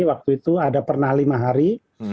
waktu itu ada pernah lima hari